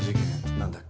何だっけ。